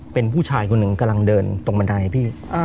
เป็นผู้ชายคนหนึ่งกำลังเดินตรงบันไดพี่